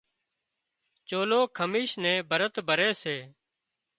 چولو، کميس نين ڀرت ڀري سي